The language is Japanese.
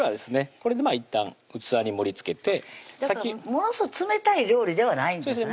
これでいったん器に盛りつけてだからものすごい冷たい料理ではないんですね